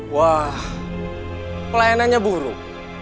wah pelayanannya buruk